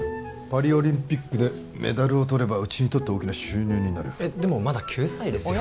パリオリンピックでメダルをとればうちにとって大きな収入になるでもまだ９歳ですよ